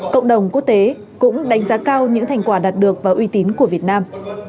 cộng đồng quốc tế cũng đánh giá cao những thành quả đạt được và uy tín của việt nam